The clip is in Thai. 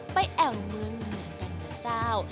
ไปแอบมือเมืองเหนือกันนะเจ้า